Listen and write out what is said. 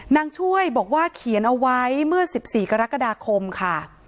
นางช่วยบอกว่าเขียนเอาไว้เมื่อ๑๔กรกฎาคมค่ะ